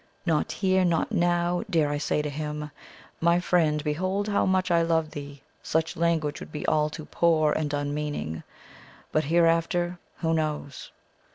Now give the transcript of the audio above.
Not here, not now, dare I say to him, MY FRIEND, BEHOLD HOW MUCH I LOVE THEE! such language would be all too poor and unmeaning; but hereafter who knows?